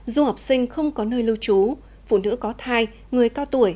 du học sinh không có nơi lưu trú phụ nữ có thai người cao tuổi